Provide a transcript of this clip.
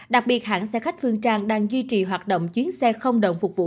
đặc biệt hãng xe khách phương trang đang duy trì hoạt động chuyến xe không đồng phục vụ